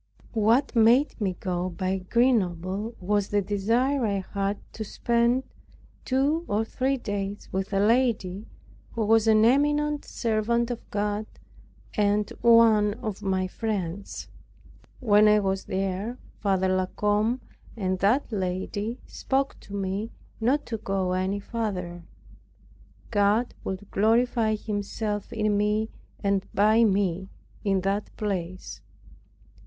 What made me go by Grenoble was the desire I had to spend two or three days with a lady, an eminent servant of God, and one of my friends. When I was there Father La Combe and that lady spoke to me not to go any farther. God would glorify Himself in me and by me in that place.